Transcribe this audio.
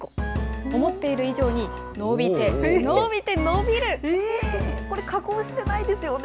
思っている以上に伸びて、伸びて、これ、加工してないですよね。